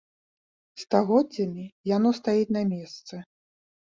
Стагоддзямі яно стаіць на месцы.